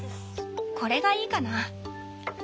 これがいいかな。